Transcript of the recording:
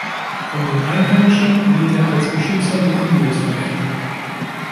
Von den Einheimischen wird er als „Beschützer der Indios“ verehrt.